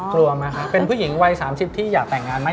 กลัวไหมครับเป็นผู้หญิงวัย๓๐ที่อยากแต่งงานไหม